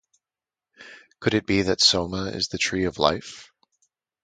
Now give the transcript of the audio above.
Could it be that soma is the tree of life?